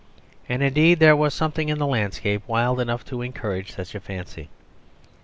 And, indeed, there was something in the landscape wild enough to encourage such a fancy.